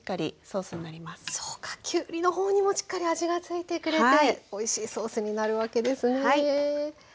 そうかきゅうりのほうにもしっかり味がついてくれておいしいソースになるわけですね。